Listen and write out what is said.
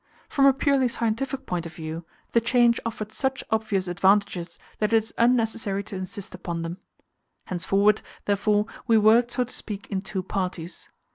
From a purely scientific point of view, the change offered such obvious advantages that it is unnecessary to insist upon them. Henceforward, therefore, we worked, so to speak, in two parties.